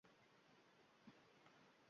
Ishda qanday yangiliklar